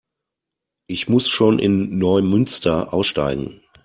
Ich muss schon in Neumünster aussteigen